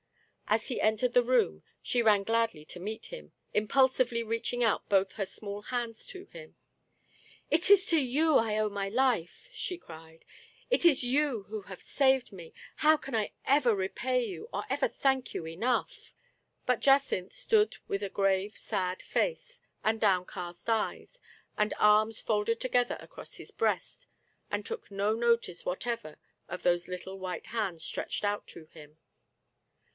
As he entered the room, she ran gladly to meet him, impulsively reaching out both her small hands to him. " It is to you I owe my life !*' she cried ;" it is you who have saved me. How can I ever repay you, or ever thank you enough ?Digitized by Google I02 THE FATE OF FENELLA, But Jacynth stood with a grave, sad face, and downcast eyes, and arms folded together across his breast, and took no notice whatever of those little white hands stretched out to him.